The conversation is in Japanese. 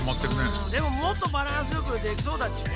でももっとバランスよくできそうだっちね。